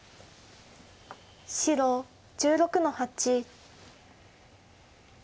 白１６の八。